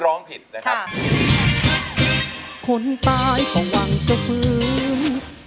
ร้องผิดนะครับคุณตายของหวังเจ้าพื้น